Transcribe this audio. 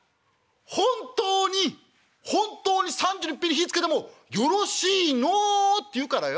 本当に本当に３２いっぺんに火ぃつけてもよろしいの？』って言うからよ